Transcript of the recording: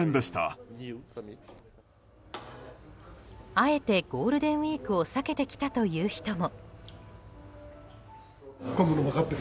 あえてゴールデンウィークを避けて来たという人も。